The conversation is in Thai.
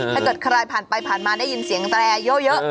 ถ้าเกิดใครผ่านไปผ่านมาได้ยินเสียงแตรเยอะ